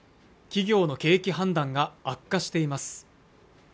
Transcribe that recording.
企業の景気判断が悪化しています